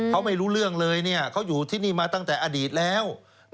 เขาไม่รู้เรื่องเลยเขาอยู่ที่นี่มาตั้งแต่อดีตแล้ว